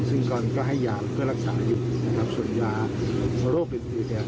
ซึ่งก็ให้ยาเพื่อรักษาดิ์นะครับส่วนยารโรคเป็นตัวแบบ